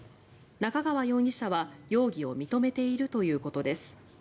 仲川容疑者は容疑を認めているということです。